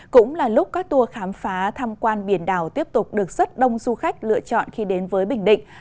cũng là lúc các tour khám phá tham quan biển đảo tiếp tục được rất đông du khách lựa chọn khi đến với bình định